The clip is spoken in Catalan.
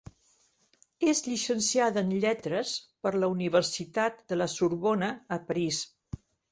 És llicenciada en Lletres per la Universitat de La Sorbona, a París.